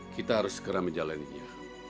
kita harus segera menjalannya